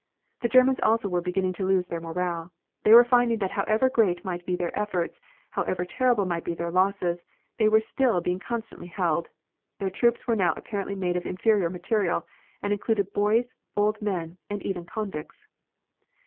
The Germans also were beginning to lose their morale. They were finding that however great might be their efforts, however terrible might be their losses, they were still being constantly held. Their troops were now apparently made of inferior material, and included boys, old men and even convicts.